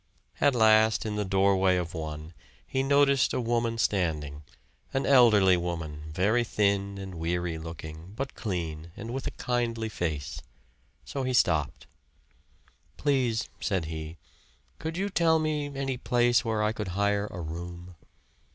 At last in the doorway of one he noticed a woman standing, an elderly woman, very thin and weary looking, but clean, and with a kindly face. So he stopped. "Please," said he, "could you tell me any place where I could hire a room?"